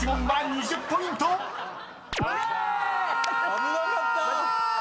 危なかった。